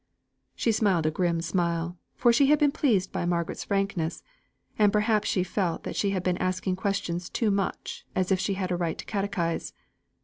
She smiled a grim smile, for she had been pleased by Margaret's frankness; and perhaps she felt that she had been asking questions too much as if she had a right to catechise.